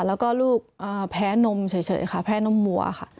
แล้วก็ลูกแพ้นมเฉยค่ะแพ้นมมัวค่ะ